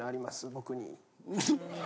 僕に。